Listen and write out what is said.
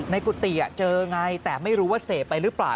กุฏิเจอไงแต่ไม่รู้ว่าเสพไปหรือเปล่า